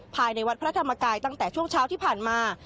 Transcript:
ภายในวัดพระธรรมกายตั้งแต่ช่วงเช้าที่ผ่านมา